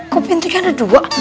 kok pintunya ada dua